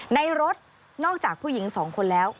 ในรถนอกจากผู้หญิงสองคนแล้ว